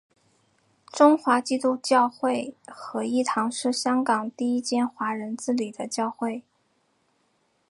中华基督教会合一堂是香港第一间华人自理的教会。